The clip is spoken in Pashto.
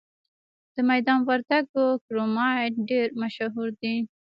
د میدان وردګو کرومایټ ډیر مشهور دی.